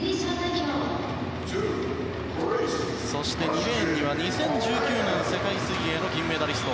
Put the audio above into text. ２レーンには２０１９年の世界水泳銀メダリスト